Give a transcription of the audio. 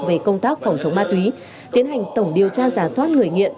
về công tác phòng chống ma túy tiến hành tổng điều tra giả soát người nghiện